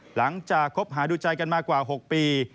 หลังจากคบหาดูใจกันมากว่า๖ปี